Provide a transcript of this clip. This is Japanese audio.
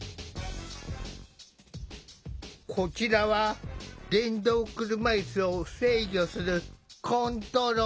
こちらは電動車いすを制御するコントローラー。